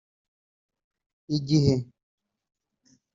igihe